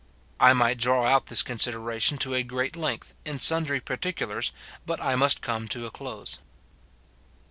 * I might draw out this considera tion to a great length, in sundry particulars, but I must come to a close.